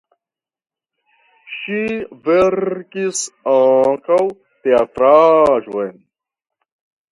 Ŝi verkis ankaŭ teatraĵon.